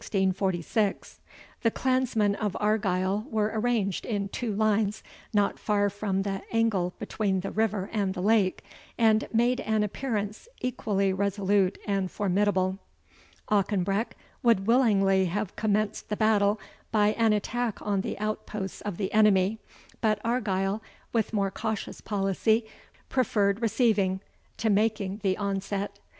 The clansmen of Argyle were arranged in two lines, not far from the angle between the river and the lake, and made an appearance equally resolute and formidable. Auchenbreck would willingly have commenced the battle by an attack on the outposts of the enemy, but Argyle, with more cautious policy, preferred receiving to making the onset.